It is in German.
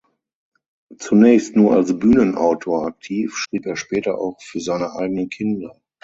Zunächst nur als Bühnenautor aktiv, schrieb er später auch für seine eigenen Kinder.